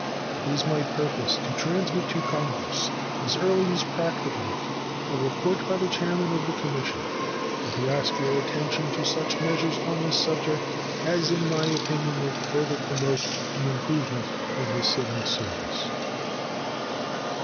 It is my purpose to transmit to Congress as early as practicable a report by the chairman of the Commission, and to ask your attention to such measures on this subject as in my opinion will further promote the improvement of the civil service.